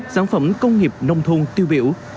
sản phẩm công nghiệp nông thôn tiêu biểu